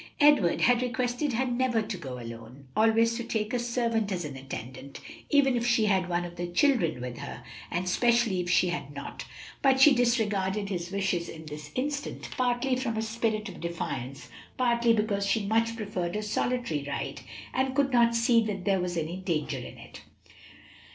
Edward had requested her never to go alone, always to take a servant as an attendant, even if she had one of the children with her, and especially if she had not; but she disregarded his wishes in this instance, partly from a spirit of defiance, partly because she much preferred a solitary ride, and could not see that there was any danger in it.